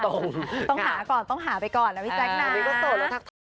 ต้องหาก่อนต้องหาไปก่อนนะพี่แจ๊กนะ